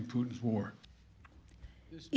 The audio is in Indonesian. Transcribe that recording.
dari pembayaran putin